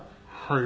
はい。